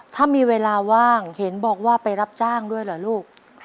ถ้ามีเวลาว่างเห็นบอกว่าไปรับจ้างด้วยเหรอลูก